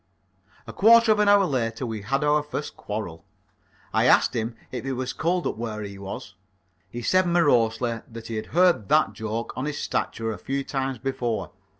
A quarter of an hour later we had our first quarrel. I asked him if it was cold up where he was. He said morosely that he had heard that joke on his stature a few times before.